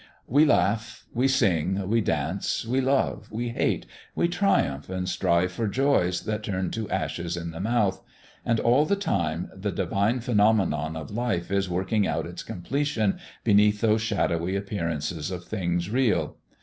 We laugh, we sing, we dance, we love, we hate, we triumph and strive for joys that turn to ashes in the mouth, and all the time the divine phenomenon of life is working out its completion beneath those shadowy appearances of things real.